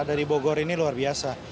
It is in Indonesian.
dari bogor ini luar biasa